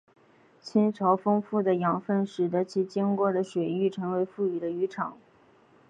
亲潮丰富的养分使得其经过的水域成为富裕的渔场。